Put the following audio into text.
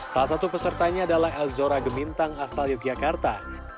salah satu pesertanya adalah elzora gemintang asal yogyakarta